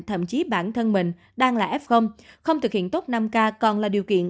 thậm chí bản thân mình đang là f không thực hiện tốt năm k còn là điều kiện